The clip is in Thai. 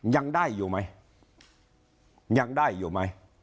ยังได้อยู่ไหม